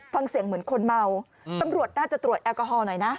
ฟังเสียงเหมือนคนเมาตำรวจน่าจะตรวจแอลกอฮอลหน่อยนะ